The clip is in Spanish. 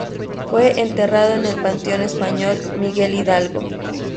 Fue enterrado en el Panteón Español, Miguel Hidalgo.